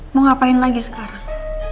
mau ngapain lagi sekarang